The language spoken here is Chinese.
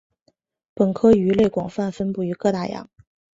本科鱼类广泛分布于各大洋。